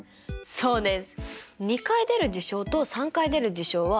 そうです。